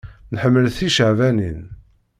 Nḥemmel ticeɛbanin.